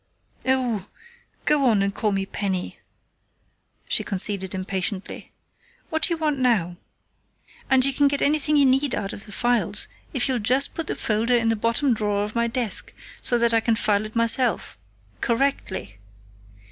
"Oh go on and call me Penny," she conceded impatiently. "What do you want now?... And you can get anything you need out of the files if you'll just put the folder in the bottom drawer of my desk, so that I can file it myself correctly!"